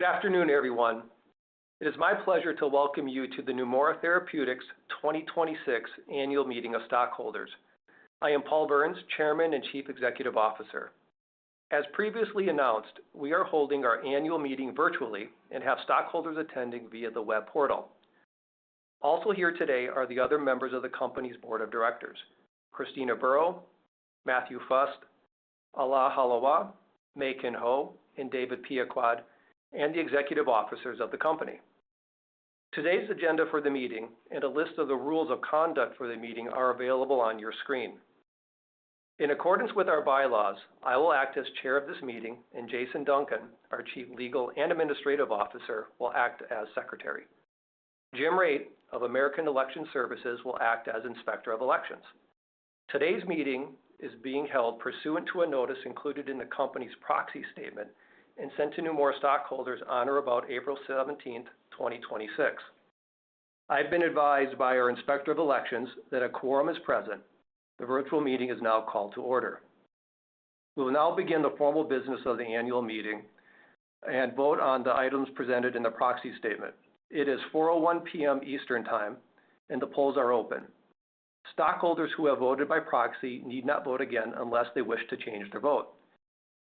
Good afternoon, everyone. It is my pleasure to welcome you to the Neumora Therapeutics 2026 Annual Meeting of Stockholders. I am Paul Berns, Chairman and Chief Executive Officer. As previously announced, we are holding our annual meeting virtually and have stockholders attending via the web portal. Also here today are the other members of the company's Board of Directors, Kristina Burow, Matthew Fust, Alaa Halawa, Maykin Ho, and David Piacquad, and the executive officers of the company. Today's agenda for the meeting and a list of the rules of conduct for the meeting are available on your screen. In accordance with our bylaws, I will act as chair of this meeting, and Jason Duncan, our Chief Legal and Administrative Officer, will act as Secretary. Jim Raitt of American Election Services will act as Inspector of Elections. Today's meeting is being held pursuant to a notice included in the company's proxy statement and sent to Neumora stockholders on or about April 17th, 2026. I've been advised by our Inspector of Elections that a quorum is present. The virtual meeting is now called to order. We will now begin the formal business of the annual meeting and vote on the items presented in the proxy statement. It is 4:01 P.M. Eastern Time, and the polls are open. Stockholders who have voted by proxy need not vote again unless they wish to change their vote.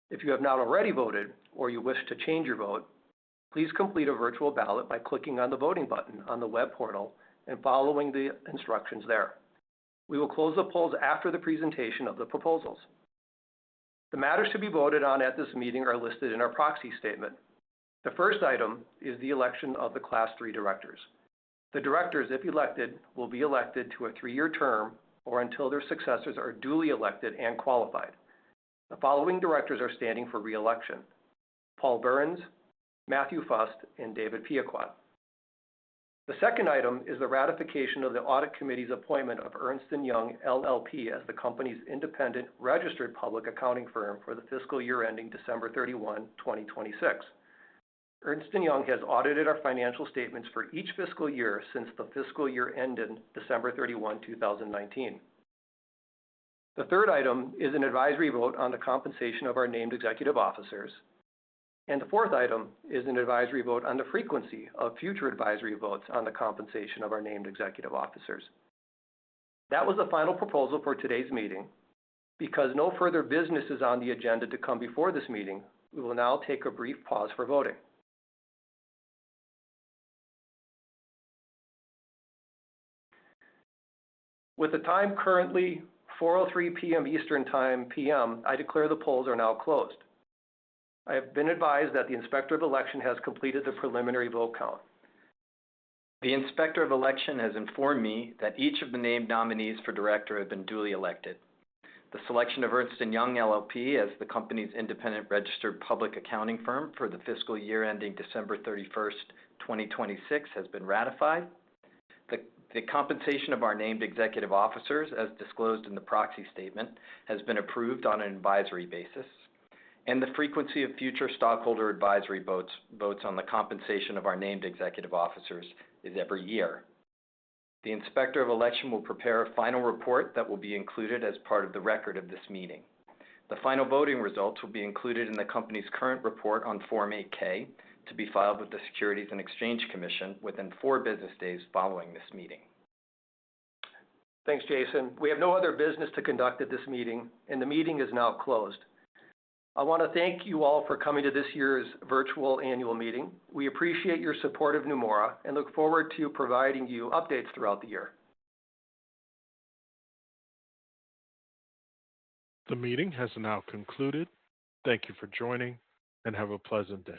If you have not already voted or you wish to change your vote, please complete a virtual ballot by clicking on the voting button on the web portal and following the instructions there. We will close the polls after the presentation of the proposals. The matters to be voted on at this meeting are listed in our proxy statement. The first item is the election of the Class III directors. The directors, if elected, will be elected to a three-year term or until their successors are duly elected and qualified. The following directors are standing for re-election: Paul Berns, Matthew Fust, and David Piacquad. The second item is the ratification of the Audit Committee's appointment of Ernst & Young LLP as the company's independent registered public accounting firm for the fiscal year ending December 31, 2026. Ernst & Young has audited our financial statements for each fiscal year since the fiscal year ending December 31, 2019. The third item is an advisory vote on the compensation of our named executive officers. The fourth item is an advisory vote on the frequency of future advisory votes on the compensation of our named executive officers. That was the final proposal for today's meeting. Because no further business is on the agenda to come before this meeting, we will now take a brief pause for voting. With the time currently 4:03 P.M. Eastern Time, I declare the polls are now closed. I have been advised that the Inspector of Election has completed the preliminary vote count. The Inspector of Election has informed me that each of the named nominees for director have been duly elected. The selection of Ernst & Young LLP as the company's independent registered public accounting firm for the fiscal year ending December 31st, 2026, has been ratified. The compensation of our named executive officers, as disclosed in the proxy statement, has been approved on an advisory basis, and the frequency of future stockholder advisory votes on the compensation of our named executive officers is every year. The Inspector of Election will prepare a final report that will be included as part of the record of this meeting. The final voting results will be included in the company's current report on Form 8-K, to be filed with the Securities and Exchange Commission within four business days following this meeting. Thanks, Jason. We have no other business to conduct at this meeting. The meeting is now closed. I want to thank you all for coming to this year's virtual annual meeting. We appreciate your support of Neumora and look forward to providing you updates throughout the year. The meeting has now concluded. Thank you for joining, and have a pleasant day.